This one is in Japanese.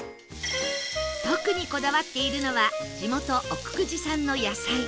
特にこだわっているのは地元奥久慈産の野菜